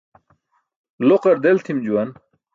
Loqar del tʰim juwan.